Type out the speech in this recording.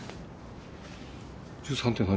１３って何？